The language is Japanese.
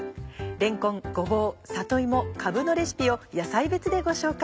れんこんごぼう里芋かぶのレシピを野菜別でご紹介。